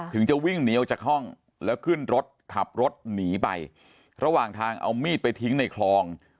จะวิ่งหนีออกจากห้องแล้วขึ้นรถขับรถหนีไประหว่างทางเอามีดไปทิ้งในคลอง